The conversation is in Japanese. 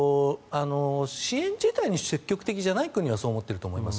支援自体に積極的じゃない国はそう思っていると思います。